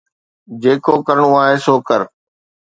جيڪو ڪرڻو آهي سو ڪر